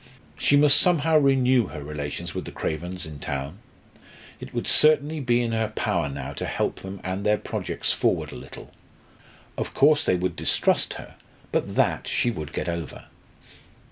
She must somehow renew her relations with the Cravens in town. It would certainly be in her power now to help them and their projects forward a little. Of course they would distrust her, but that she would get over.